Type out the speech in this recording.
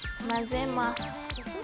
混ぜます。